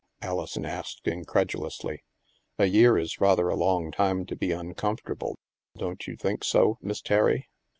" Alison asked incredulously. " A year is rather a long time to be uncomfort able; don't you think so, Miss Terry?